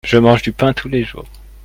Je mange du pain tous les jours.